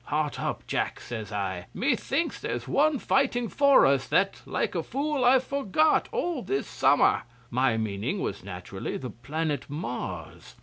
'"Heart up, Jack," says I. "Methinks there's one fighting for us that, like a fool, I've forgot all this summer." My meaning was naturally the planet Mars.